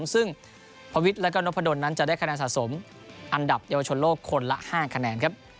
ซึ่งพวิทย์แล้วก็นพดลนั้นจะได้คะแนนสะสมอันดับเยาวชนโลกคนละ๕คะแนนครับ